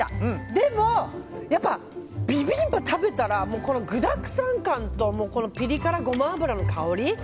でも、やっぱビビンバ食べたら具だくさん感とピリ辛ゴマ油の香り。